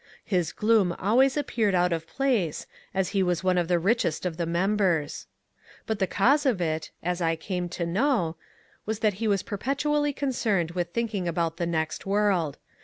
His gloom always appeared out of place as he was one of the richest of the members. But the cause of it, as I came to know, was that he was perpetually concerned with thinking about the next world.